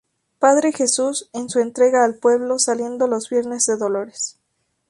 Padre Jesús en su Entrega al Pueblo, saliendo los Viernes de Dolores.